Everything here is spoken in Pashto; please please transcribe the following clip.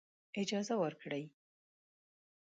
اجازه ورکړي.